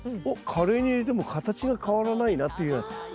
おっカレーに入れても形が変わらないなっていうやつ。